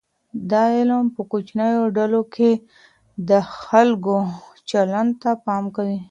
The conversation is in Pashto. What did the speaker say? دا علم په کوچنیو ډلو کې د خلګو چلند ته پام کوي.